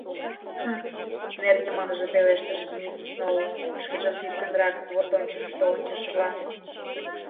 — Хм, — нер йымалныже пелештыш мисс Сноу, — шкенжым тӱткынрак воштончышышто ончышыжла.